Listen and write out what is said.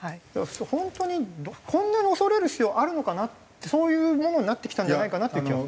本当にこんなに恐れる必要あるのかな？ってそういうものになってきたんじゃないかなって気は。